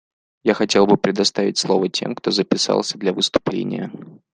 Я хотел бы предоставить слово тем, кто записался для выступления.